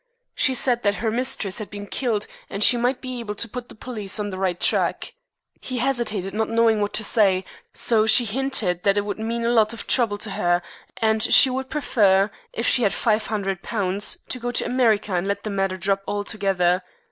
She said that her mistress had been killed, and she might be able to put the police on the right track. He hesitated, not knowing what to say; so she hinted that it would mean a lot of trouble for her, and she would prefer, if she had £500, to go to America, and let the matter drop altogether.